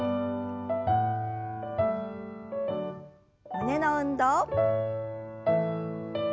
胸の運動。